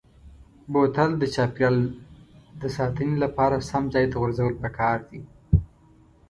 بوتل د چاپیریال د ساتنې لپاره سم ځای ته غورځول پکار دي.